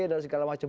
dan segala macam